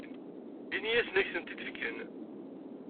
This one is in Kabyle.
Ini-asen ad ak-tent-id-fken.